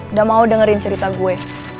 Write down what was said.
udah mau dengerin cerita gue